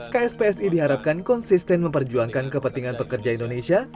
kspsi diharapkan konsisten memperjuangkan kepentingan pekerja indonesia